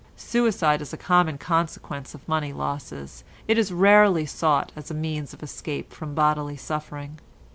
Suicide is a common consequence of money losses; it is rarely sought as a means of escape from bodily suffering.